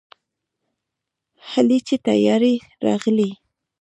هلئ چې طيارې راغلې.